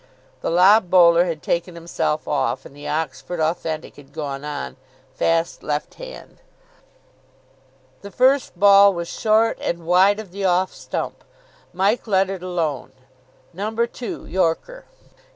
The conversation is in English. The lob bowler had taken himself off, and the Oxford Authentic had gone on, fast left hand. The first ball was short and wide of the off stump. Mike let it alone. Number two: yorker.